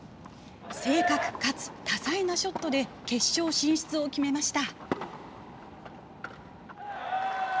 正確かつ多彩なショットで決勝進出を決めました。